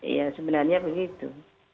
iya sebenarnya begitu